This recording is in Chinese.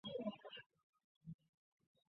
鸣梁海战